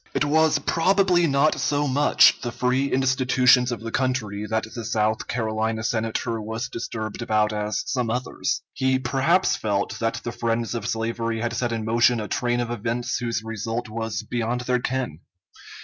] It was probably not so much the free institutions of the country that the South Carolina Senator was disturbed about as some others. He perhaps felt that the friends of slavery had set in motion a train of events whose result was beyond their ken.